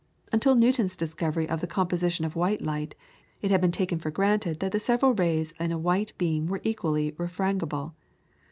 Until Newton's discovery of the composition of white light, it had been taken for granted that the several rays in a white beam were equally refrangible.